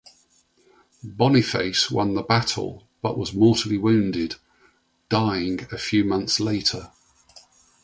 Boniface won the battle but was mortally wounded, dying a few months later.